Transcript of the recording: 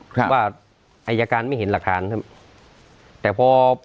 ครับว่าอายการไม่เห็นหลักฐานครับแต่พอ